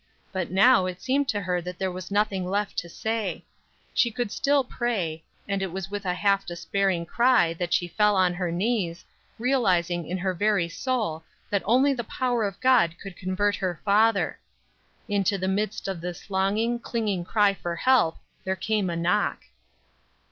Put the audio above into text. But now it seemed to her that there was nothing left to say. She could still pray, and it was with a half despairing cry that she fell on her knees, realizing in her very soul that only the power of God could convert her father. Into the midst of this longing, clinging cry for help there came a knock.